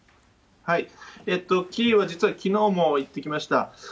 キーウ、実はきのうも行ってきました。